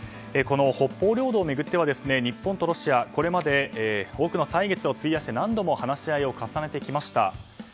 この北方領土を巡っては日本とロシアこれまで多くの歳月を費やして何度も話し合いを重ねてきました。